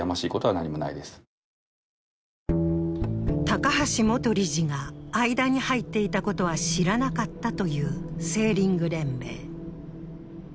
高橋元理事が間に入っていたことは知らなかったというセーリング連盟。